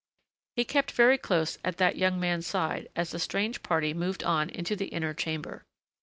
He kept very close at that young man's side as the strange party moved on into the inner chamber.